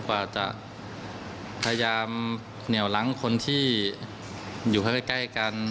กว่าจะพยายามเหนียวล้างคนที่อยู่ใกล้กัน